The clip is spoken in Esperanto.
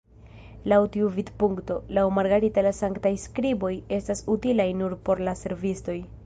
Laŭ tiu vidpunkto, laŭ Margarita la Sanktaj Skriboj estas utilaj nur por la servistoj.